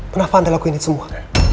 kenapa anda lakuin semua